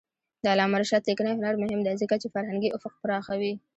د علامه رشاد لیکنی هنر مهم دی ځکه چې فرهنګي افق پراخوي.